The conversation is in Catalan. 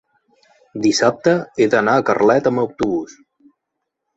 Dissabte he d'anar a Carlet amb autobús.